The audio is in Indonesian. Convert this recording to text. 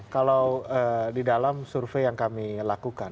kalau di dalam survei yang kami lakukan